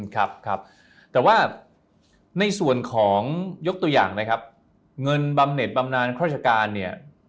ครับครับแต่ว่าในส่วนของยกตัวอย่างนะครับเงินบำเน็ตบำนานราชการเนี่ย